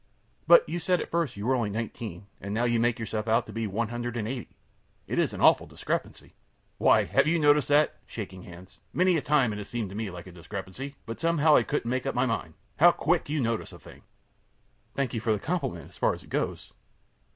Q. But you said at first you were only nineteen, and now you make yourself out to be one hundred and eighty. It is an awful discrepancy. A. Why, have you noticed that? (Shaking hands.) Many a time it has seemed to me like a discrepancy, but somehow I couldn't make up my mind. How quick you notice a thing! Q. Thank you for the compliment, as far as it goes.